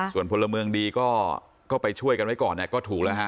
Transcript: ส่วนพลเมืองดีก็ไปช่วยกันไว้ก่อนก็ถูกแล้วฮะ